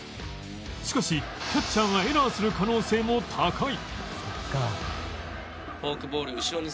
しかしキャッチャーがエラーする可能性も高い